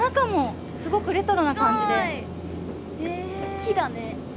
木だね。